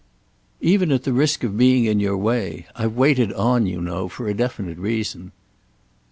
"Even at the risk of being in your way I've waited on, you know, for a definite reason."